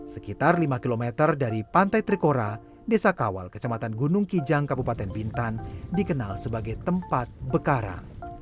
sekitar lima km dari pantai trikora desa kawal kecamatan gunung kijang kabupaten bintan dikenal sebagai tempat bekara